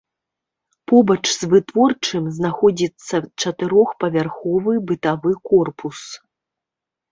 Побач з вытворчым знаходзіцца чатырохпавярховы бытавы корпус.